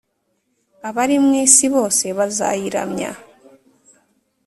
Abari mu isi bose bazayiramya,